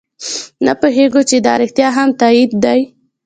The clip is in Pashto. نه پوهېږو چې دا رښتیا هم تایید دی.